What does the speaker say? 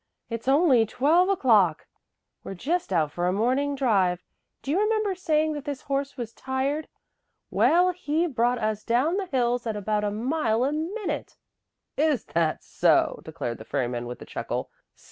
"It's only twelve o'clock. We're just out for a morning drive. Do you remember saying that this horse was tired? Well, he brought us down the hills at about a mile a minute." "Is that so!" declared the ferryman with a chuckle.